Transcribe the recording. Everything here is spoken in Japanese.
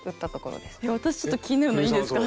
私ちょっと気になるのいいですか。